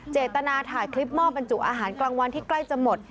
เจตนาถ่ายคลิปมอบบรรจุอาหารกลางวันที่ใกล้จะหมด